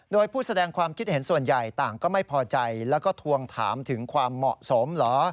โดยผู้แสดงความคิดเห็นส่วนใหญ่ต่างก็ไม่พอใจแล้วก็ทวงถามถึงความเหมาะสมเหรอ